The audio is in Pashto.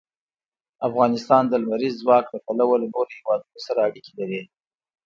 افغانستان د لمریز ځواک له پلوه له نورو هېوادونو سره اړیکې لري.